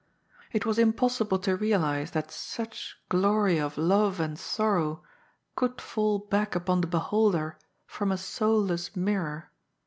It was impossible to realize that such glory of love and sorrow could fall back upon the beholder from a soulless mirror.